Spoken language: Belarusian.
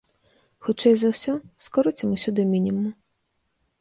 Хутчэй за ўсё, скароцім ўсё да мінімуму.